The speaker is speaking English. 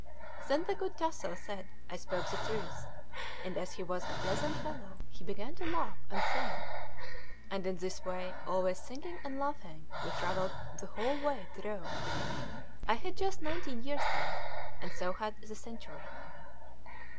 Then the good Tasso said I spoke the truth; and as he was a pleasant fellow, he began to laugh and sing; and in this way, always singing and laughing, we travelled the whole way to Rome. I had just nineteen years then, and so had the century.